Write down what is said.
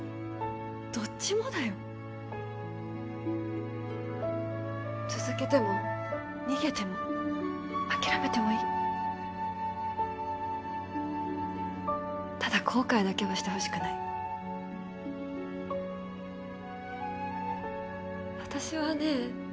どっちもだよ続けても逃げても諦めてもいいただ後悔だけはしてほしくない私はね